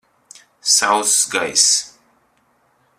Sauss gaiss.